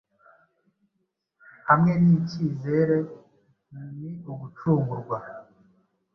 Hamwe n'icyizere ni ugucungurwa,